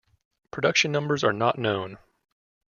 Production numbers are not known.